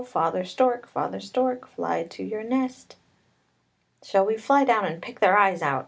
father stork, father stork, fly to your nest." "Shall we fly down and pick their eyes out?